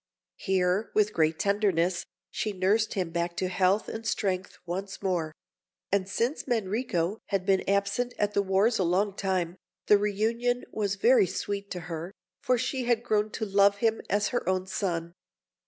Here, with great tenderness, she nursed him back to health and strength once more; and since Manrico had been absent at the wars a long time, the reunion was very sweet to her, for she had grown to love him as her own son.